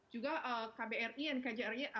juga kbri dan kjri